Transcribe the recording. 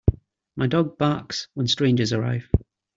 My dog barks when strangers arrive.